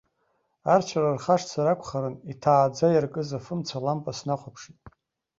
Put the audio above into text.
Арцәара рхашҭзар акәхарын, иҭааӡа иаркыз афымца лампа снахәаԥшит.